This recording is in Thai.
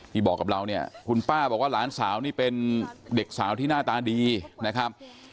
บอกกับเราเนี่ยคุณป้าบอกว่าหลานสาวนี่เป็นเด็กสาวที่หน้าตาดีนะครับ